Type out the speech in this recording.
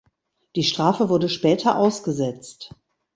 Die Strafe wurde später ausgesetzt.